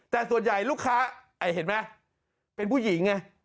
แต่ส่วนใหญ่ลูกค้าเห็นไหมเป็นผู้หญิงไง